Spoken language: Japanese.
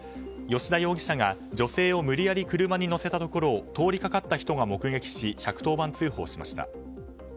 吉田容疑者が女性を無理やり車に乗せたところを通りかかった人が目撃し１１０番通報しました。